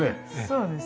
そうですね。